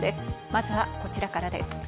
まずはこちらからです。